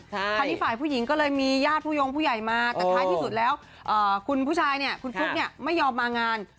คราวนี้ฝ่ายผู้หญิงก็เลยมีญาติผู้ยงผู้ใหญ่มาแต่ท้ายที่สุดแล้วคุณผู้ชายเนี่ยคุณฟลุ๊กเนี่ยไม่ยอมมางาน